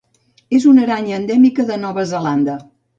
És una aranya endèmica de Nova Zelanda.